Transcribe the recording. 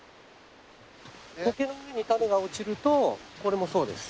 コケの上に種が落ちるとこれもそうです。